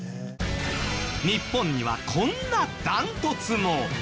日本にはこんなダントツも。